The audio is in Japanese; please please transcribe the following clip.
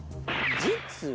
実は。